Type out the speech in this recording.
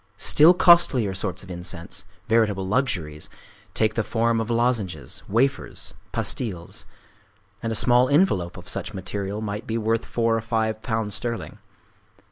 Still costlier sorts of incense,—veritable luxuries,—take the form of lozenges, wafers, pastilles; and a small envelope of such material may be worth four or five pounds sterling.